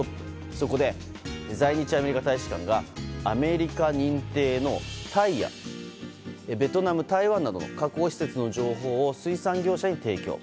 そこで、在日アメリカ大使館がアメリカ認定のタイやベトナム、台湾などの加工施設の情報を水産業者に提供。